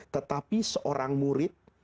tetapi seorang murid